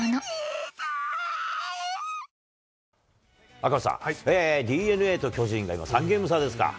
赤星さん、ＤｅＮＡと巨人が今、３ゲーム差ですか。